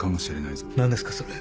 何ですかそれ？